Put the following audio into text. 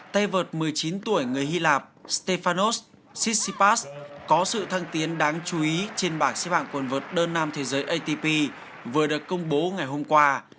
tay vợt một mươi chín tuổi người hy lạp stefanos cissypass có sự thăng tiến đáng chú ý trên bảng xếp hạng quần vợt đơn nam thế giới atp vừa được công bố ngày hôm qua